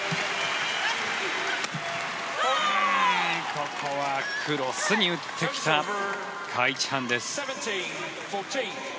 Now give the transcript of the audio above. ここはクロスに打ってきたカ・イチハンです。